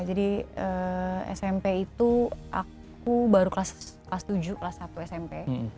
jadi smp itu aku baru kelas tujuh kelas satu smp